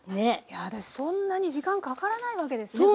いやそんなに時間かからないわけですね。